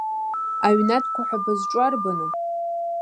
Аҩнатәқәа ҳәа бызҿу арбану?